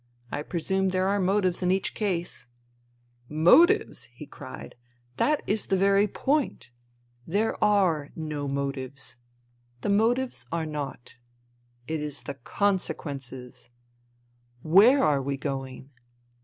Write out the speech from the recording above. " I presume there are motives in each case." " Motives !" he cried. " That is the very point. There are no motives. The motives are naught. It is the consequences. Where are we going